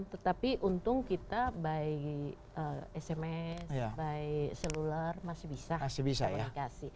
tetapi untung kita by sms by seluler masih bisa komunikasi